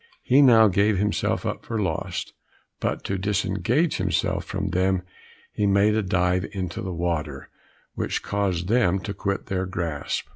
He now gave himself up for lost; but to disengage himself from them he made a dive into the water, which caused them to quit their grasp.